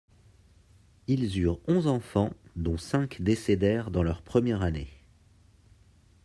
Ils eurent onze enfants dont cinq décédèrent dans leur première année.